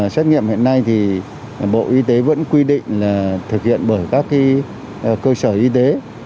xét nghiệm hiện nay thì bộ y tế vẫn quy định là thực hiện bởi các cơ sở y tế